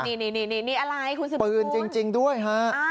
อันนี้นี่นี่นี่นี่อะไรคุณสมมุติคุณปืนจริงจริงด้วยฮะอ้าว